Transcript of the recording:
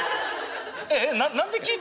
ええ？何で聞いた？